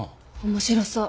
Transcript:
面白そう。